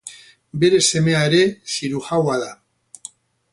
Bere semea ere zirujaua da.